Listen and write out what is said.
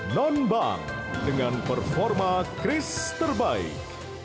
non bank dengan performa kris terbaik